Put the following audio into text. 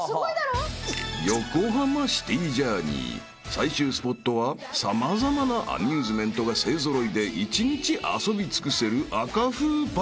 最終スポットは様々なアミューズメントが勢揃いで１日遊び尽くせる］